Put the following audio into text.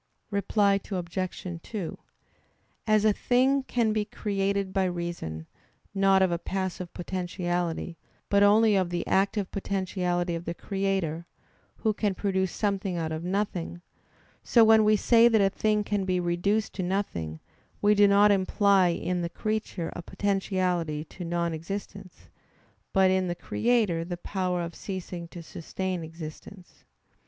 Reply Obj. 2: As a thing can be created by reason, not of a passive potentiality, but only of the active potentiality of the Creator, Who can produce something out of nothing, so when we say that a thing can be reduced to nothing, we do not imply in the creature a potentiality to non existence, but in the Creator the power of ceasing to sustain existence.